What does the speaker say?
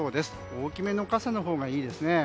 大きめの傘のほうがいいですね。